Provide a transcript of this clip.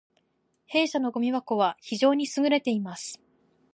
弊社のごみ箱は非常に優れています